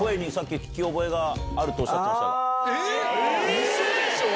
ウソでしょ